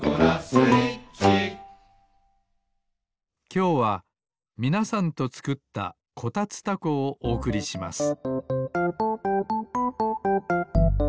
きょうはみなさんとつくった「こたつたこ」をおおくりします